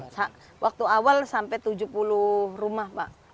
pak waktu awal sampai tujuh puluh rumah pak